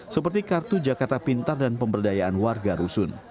seperti kartu jakarta pintar dan pemberdayaan warga rusun